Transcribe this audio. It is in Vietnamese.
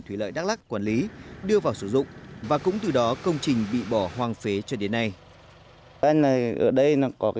thủy lợi đắk lắc quản lý đưa vào sử dụng và cũng từ đó công trình bị bỏ hoang phế cho đến nay